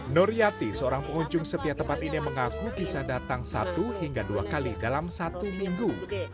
nur yati seorang pengunjung setiap tempat ini mengaku bisa datang satu hingga dua kali dalam satu minggu